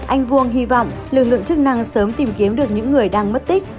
anh vuông hy vọng lực lượng chức năng sớm tìm kiếm được những người đang mất tích